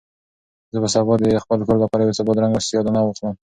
زه به سبا د خپل کور لپاره یو څه بادرنګ او سیاه دانه واخلم.